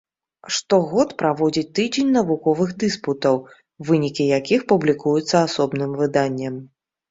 Штогод праводзіць тыдзень навуковых дыспутаў, вынікі якіх публікуюцца асобным выданнем.